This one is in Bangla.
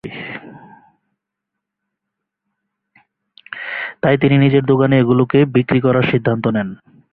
তাই তিনি নিজের দোকানে এগুলোকে বিক্রি করার সিদ্ধান্ত নেন।